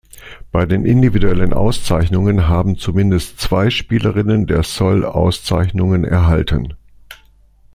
Bei den individuellen Auszeichnungen haben zumindest zwei Spielerinnen der Sol Auszeichnungen erhalten.